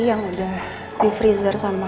yang udah di freezer sama